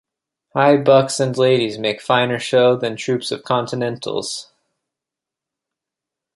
High bucks and ladies make finer show than troops of Continentals.